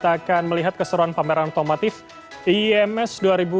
kita akan melihat keseruan pameran otomotif iims dua ribu dua puluh